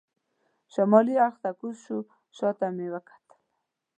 شمالي اړخ ته کوز شو، شا ته مې وکتل.